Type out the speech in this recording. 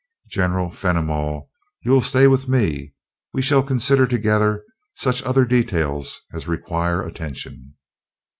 General Fenimol, you will stay with me we shall consider together such other details as require attention."